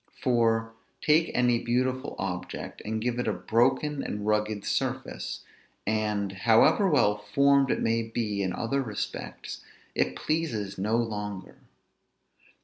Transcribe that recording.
For, take any beautiful object, and give it a broken, and rugged surface; and, however well formed it may be in other respects, it pleases no longer.